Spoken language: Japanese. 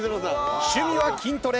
趣味は筋トレ。